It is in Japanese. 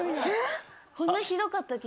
こんなひどかったっけ。